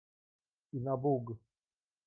"I na Bóg!"